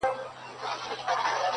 زړونه صبر فیصلو د شنه اسمان ته٫